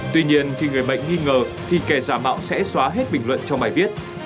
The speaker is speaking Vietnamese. tuy nhiên khi người bệnh nghi ngờ thì kẻ giả mạo sẽ xóa hết bình luận trong bài viết